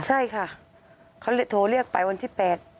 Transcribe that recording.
ใช่ค่ะเขาโทรเรียกไปวันที่๘